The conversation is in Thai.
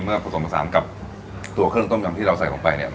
ผสมผสานกับตัวเครื่องต้มยำที่เราใส่ลงไปเนี่ย